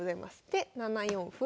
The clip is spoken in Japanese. で７四歩。